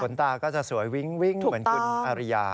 ตาก็จะสวยวิ้งเหมือนคุณอริยา